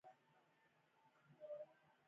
د ګاو زبان ګل د اعصابو د ارام لپاره وکاروئ